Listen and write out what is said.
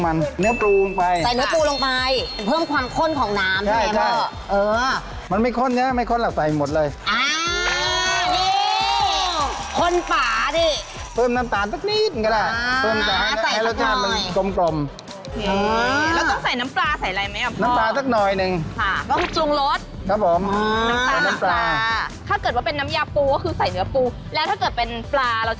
มันโปรดมาแล้วไม่ทำให้เราต้องไอเกิดปะนะ